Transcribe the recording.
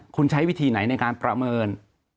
คุณใช้วิธีไหนในการประเมิน